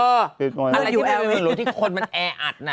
เราไม่รู้ที่คนมันแอวจ์